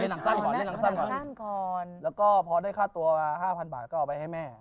เล่นหลังสร้างก่อนเล่นหลังสร้างก่อนแล้วก็พอได้ค่าตัว๕๐๐๐บาทก็เอาไปให้แม่